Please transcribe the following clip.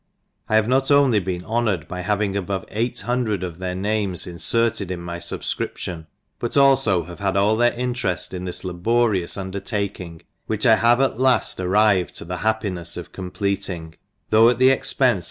I have not only been honoured by having above eighth hundred of their names inferted in my fubfcrip tion, but alfo have had all their intereft in this laborious undertaking, which I have at lafl ar rived to the happinefs of completing, though 5 « t « J at the expence.